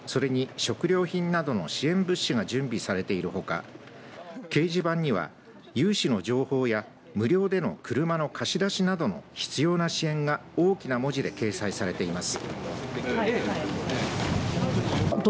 支援拠点には住宅の片づけに必要な作業用手袋やマスクそれに食料品などの支援物資が準備されているほか掲示板には融資の情報や無料での車の貸し出しなどの必要な支援が大きな文字で掲載されています。